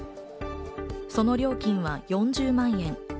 その料金は４０万円。